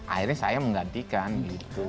akhirnya saya menggantikan gitu